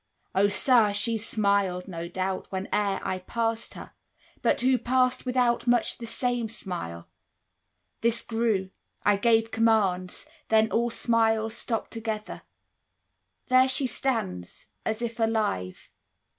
Oh sir, she smiled, no doubt, Whene'er I passed her; but who passed without Much the same smile? This grew; I gave commands; Then all smiles stopped together. There she stands As if alive.